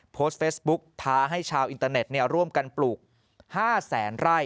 โพสต์เฟซบุ๊กท้าให้ชาวอินเตอร์เน็ตร่วมกันปลูก๕แสนไร่